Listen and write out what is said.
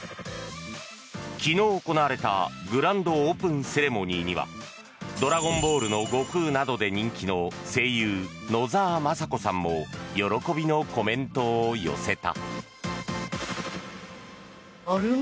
昨日行われたグランドオープンセレモニーには「ドラゴンボール」の悟空などで人気の声優・野沢雅子さんも喜びのコメントを寄せた。